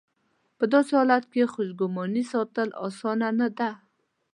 په داسې حالت کې خوشګماني ساتل اسانه نه ده.